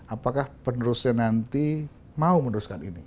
apakah penerusnya nanti mau meneruskan ini